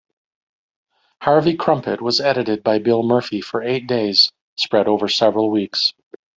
"Harvie Krumpet" was edited by Bill Murphy for eight days spread over several weeks.